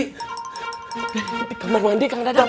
di kamar mandi kang dadang